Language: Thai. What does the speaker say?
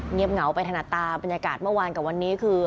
เงียบเหงาไปถนัดตาบรรยากาศเมื่อวานกับวันนี้คือ